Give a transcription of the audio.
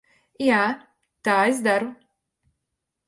Jā, tā es daru.